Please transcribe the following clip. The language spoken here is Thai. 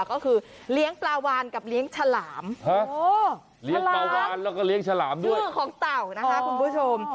ก็คือเลี้ยงปลาวานกับเลี้ยงฉลามเลี้ยงปลาวานแล้วก็เลี้ยงฉลามด้วยเรื่องของเต่านะคะคุณผู้ชม